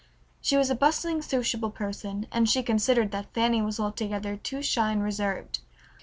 She was a bustling, sociable person, and she considered that Fanny was altogether too shy and reserved.